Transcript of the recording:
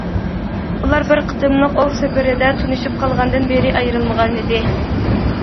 ئۇلا بىر قېتىملىق ئوۋ سەپىرىدە تونۇشۇپ قالغاندىن بېرى ئايرىلمىغانىدى.